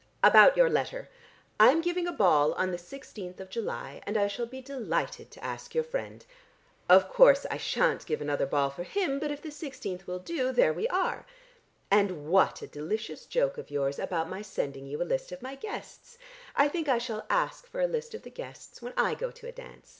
About your letter. I am giving a ball on the sixteenth of July, and I shall be delighted to ask your friend. Of course I shan't give another ball for him, but if the sixteenth will do, there we are. And what a delicious joke of yours about my sending you a list of my guests! I think I shall ask for a list of the guests when I go to a dance.